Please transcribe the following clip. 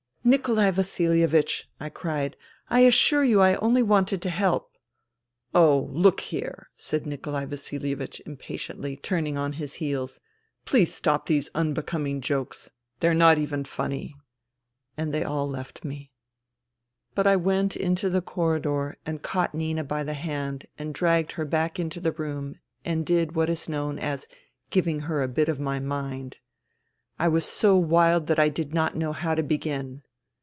" Nikolai Vasilievich !" I cried. " I assure you I only wanted to help." " Oh, look here," said Nikolai Vasilievich im patiently, turning on his heels, " please stop these unbecoming jokes. They're not even funny." And they all left me. 72 FUTILITY But I went into the corridor and caught Nina by the hand and dragged her back into the room and did what is known as " giving her a bit of my mind.'* I was so wild that I did not know how to begin.